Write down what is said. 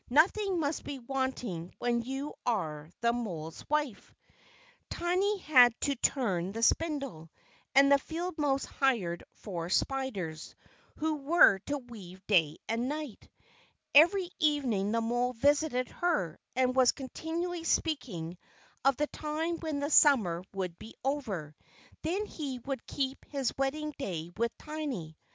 Nothing must be wanting when you are the mole's wife." Tiny had to turn the spindle; and the field mouse hired four spiders, who were to weave day and night. Every evening the mole visited her, and was continually speaking of the time when the Summer would be over. Then he would keep his wedding day with Tiny.